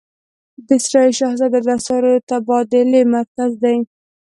د سرای شهزاده د اسعارو تبادلې مرکز دی